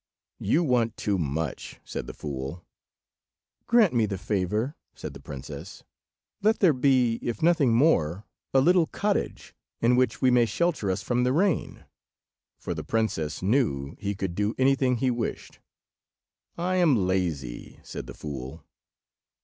"You want too much," said the fool. "Grant me the favour," said the princess; "let there be, if nothing more, a little cottage in which we may shelter us from the rain"—for the princess knew he could do anything he wished. "I am lazy," said the fool.